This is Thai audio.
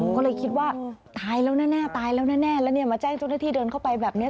เขาเลยคิดว่าตายแล้วแน่แล้วมาแจ้งจุดหน้าที่เดินเข้าไปแบบนี้